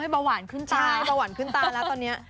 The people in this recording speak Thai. เบาหวานขึ้นตายแล้วตอนนี้